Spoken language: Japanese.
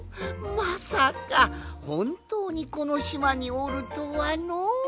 まさかほんとうにこのしまにおるとはのう！